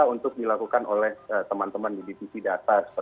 tentu walaupun ini memang tentu masih dalam